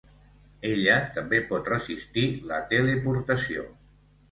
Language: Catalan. Ella també pot resistir la teleportació.